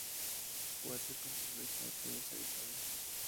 Water Conservation, Phoenix, Arizona.